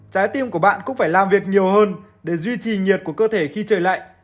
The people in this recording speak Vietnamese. trái tim của bạn cũng phải làm việc nhiều hơn để duy trì nhiệt của cơ thể khi trời lạnh